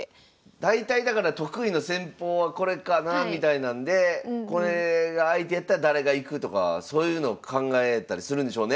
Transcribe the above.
大体だから得意の戦法はこれかなみたいなんでこれが相手やったら誰がいくとかそういうのを考えたりするんでしょうね。